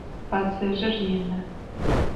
Badzerır yinı.